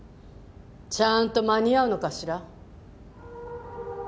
ちゃんと間に合うのかしら？